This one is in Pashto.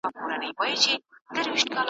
مورې! شکر چې یې